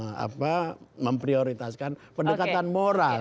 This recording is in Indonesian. yaitu mengedepankan etik memprioritaskan pendekatan moral